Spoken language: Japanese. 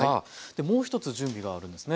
もう一つ準備があるんですね。